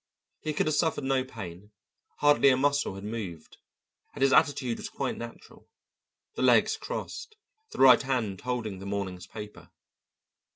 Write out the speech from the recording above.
He could have suffered no pain, hardly a muscle had moved, and his attitude was quite natural, the legs crossed, the right hand holding the morning's paper.